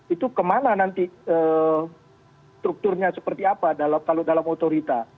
itu kemana nanti strukturnya seperti apa kalau dalam otorita